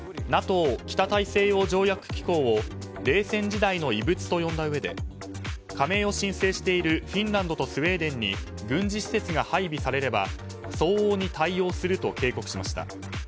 ＮＡＴＯ・北大西洋条約機構を冷戦時代の遺物と呼んだうえで加盟を申請しているフィンランドとスウェーデンに軍事施設が配備されれば相応に対応すると警告しました。